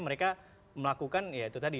mereka melakukan ya itu tadi